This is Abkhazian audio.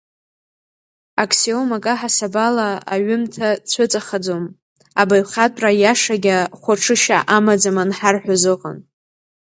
Ақсиомак аҳасаб ала аҩымҭа цәыҵахаӡом, абаҩхатәра иашагьы хәаҽышьа амаӡам анҳарҳәоз ыҟан.